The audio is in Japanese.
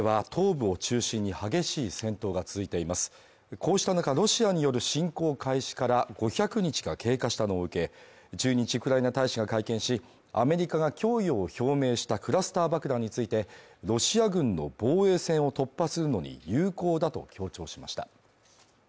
こうしたなかロシアによる侵攻開始から５００日が経過したのを受け、駐日ウクライナ大使が会見し、アメリカが供与を表明したクラスター爆弾についてロシア軍の防衛線を突破するのに有効だと強調しました。